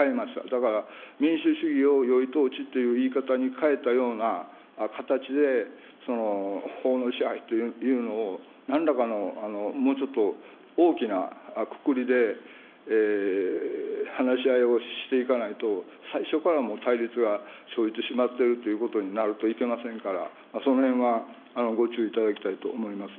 だから、民主主義をよい統治という言い方に変えたような形で、法の支配というのをなんらかのもうちょっと大きなくくりで話し合いをしていかないと、最初からもう対立が生じてしまっているということではいけませんから、そのへんはご注意いただきたいと思います。